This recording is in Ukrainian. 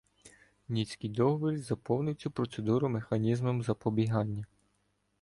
Ніццький договір доповнив цю процедуру механізмом запобігання.